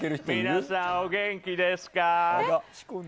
皆さん、お元気ですか？